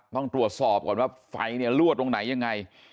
ต้องตรวจสอบก่อนว่าไฟเนี่ยลั่วตรงไหนยังไง